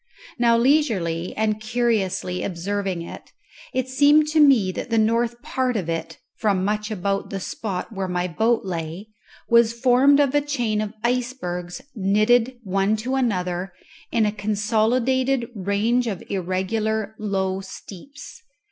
Now leisurely and curiously observing it, it seemed to me that the north part of it, from much about the spot where my boat lay, was formed of a chain of icebergs knitted one to another in a consolidated range of irregular low steeps.